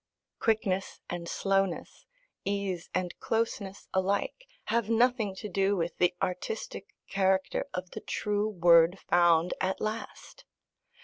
Quickness and slowness, ease and closeness alike, have nothing to do with the artistic character of the true word found at last.